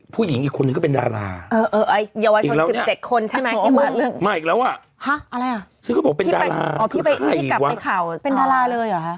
มีที่บอกว่าเป็นดาราด้วย